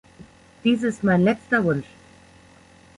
Dies ist mein letzter Wunsch.